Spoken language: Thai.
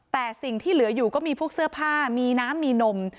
แต่สิ่งที่เหลืออยู่ก็มีพวกเสื้อผ้ามีน้ำมีนม